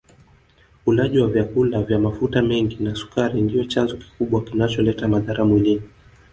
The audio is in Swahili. Ulaji wa vyakula vya mafuta mengi na sukari ndio chanzo kikubwa kinacholeta madhara mwilini